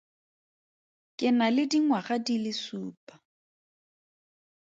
Ke na le dingwaga di le supa.